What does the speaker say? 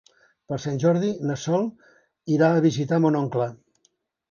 Per Sant Jordi na Sol irà a visitar mon oncle.